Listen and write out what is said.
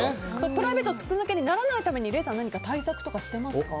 プライベートが筒抜けにならないために礼さん何か対策と化してますか？